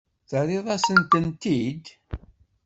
Terriḍ-as-tent-id?